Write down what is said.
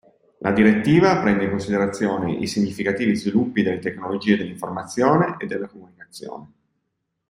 La direttiva prende in considerazione i significativi sviluppi delle tecnologie dell'informazione e della comunicazione.